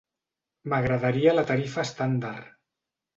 M'agradaria la tarifa estàndard.